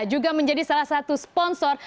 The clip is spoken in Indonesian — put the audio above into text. juga menjadi salah satu sponsor